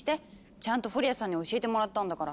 ちゃんとフォリアさんに教えてもらったんだから！